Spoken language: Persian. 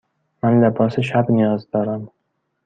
من لباس شب نیاز دارم.